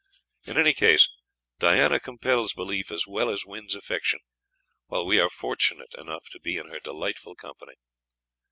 In any case, Diana compels belief as well as wins affection, while we are fortunate enough to be in her delightful company.